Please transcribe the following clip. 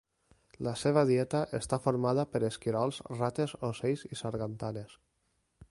La seva dieta està formada per esquirols, rates, ocells i sargantanes.